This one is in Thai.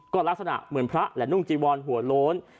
ก็ลักษณะเหมือนพระและนุ่งจีวอนหัวโล้น